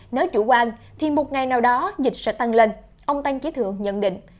nếu chủ quan thì một ngày nào đó dịch sẽ tăng lên ông tăng chế thượng nhận định